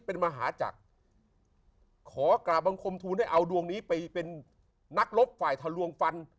ตราบังคมทูลให้เอาดวงนี้ไปเป็นนักรบฝ่ายทะลวงฟัน